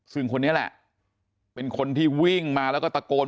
ซึ่งคนนี้แหละเป็นคนที่วิ่งมาแล้วก็ตะโกน